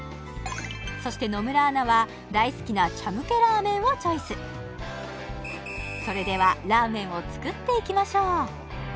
そして野村アナは大好きなチャムケラーメンをチョイスそれではラーメンを作っていきましょう